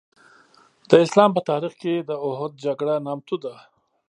د اسلام په تاریخ کې د اوحد جګړه نامتو ده.